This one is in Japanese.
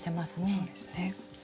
そうですね。